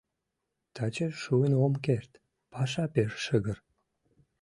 Таче шуын ом керт: паша пеш шыгыр.